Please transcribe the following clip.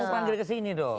kamu panggil ke sini dong